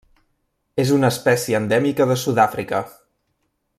És una espècia endèmica de Sud-àfrica.